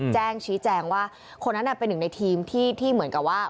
แจ้งชี้แจงว่าคนนั้นเป็นหนึ่งในทีมที่เหมือนกับว่า